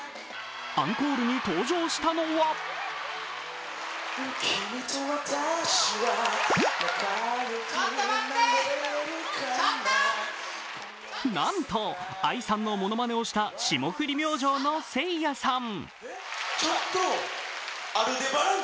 アンコールに登場したのはなんと、ＡＩさんのものまねをした霜降り明星のせいやさん。